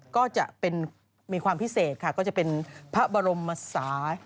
ก็จะมีความพิเศษค่ะก็จะเป็นพระบรมศา